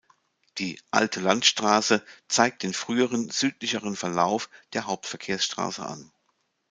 Die "Alte Landesstraße" zeigt den früheren, südlicheren Verlauf der Hauptverkehrsstraße an.